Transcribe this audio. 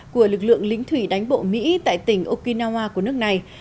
của lực lượng lính thủy đánh bộ mỹ tại tỉnh okinawa của nước này